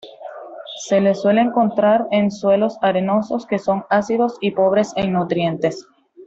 Se le suele encontrar en suelos arenosos, que son ácidos y pobres en nutrientes.